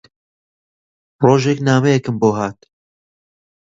ڕۆژێک نامەیەکم بۆ هات